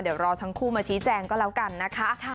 เดี๋ยวรอทั้งคู่มาชี้แจงก็แล้วกันนะคะ